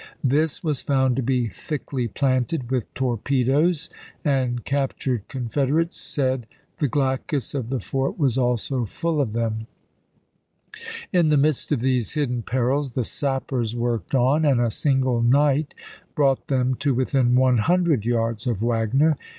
This was found to be thickly planted with torpedoes, and captured Confederates said the glacis of the fort was also full of them. In the midst of these hidden perils the sappers worked on, and a single night brought them to within one hundred yards of Wagner.